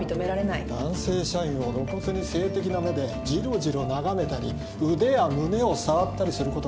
男性社員を露骨に性的な目でじろじろ眺めたり腕や胸を触ったりすることは？